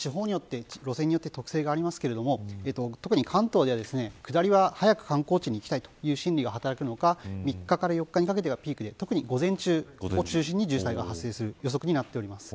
地方によって、路線によって特性がありますが特に関東では下りは早く観光地に行きたいという心理が働くのか３日から４日にかけてがピークで特に午前中を中心に渋滞が発生する予測になっています。